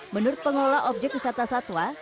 menurut pengelola objek wisata satwa